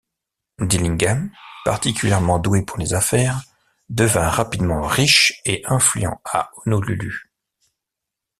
Dillingham, particulièrement doué pour les affaires, devint rapidement riche et influent à Honolulu.